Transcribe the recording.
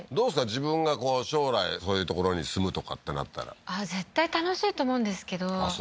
自分が将来そういう所に住むとかってなったら絶対楽しいと思うんですけどあっ